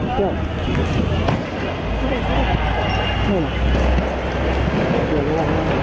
สวัสดีครับ